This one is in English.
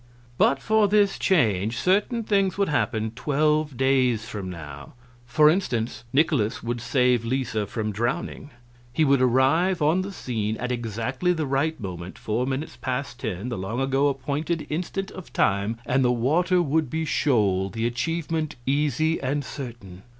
"But for this change certain things would happen twelve days from now. For instance, Nikolaus would save Lisa from drowning. He would arrive on the scene at exactly the right moment four minutes past ten, the long ago appointed instant of time and the water would be shoal, the achievement easy and certain.